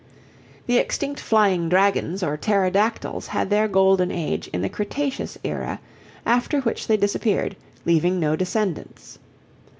The extinct Flying Dragons or Pterodactyls had their golden age in the Cretaceous era, after which they disappeared, leaving no descendants.